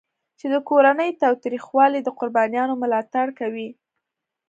چې د کورني تاوتریخوالي د قربانیانو ملاتړ کوي.